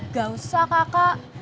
gak usah kakak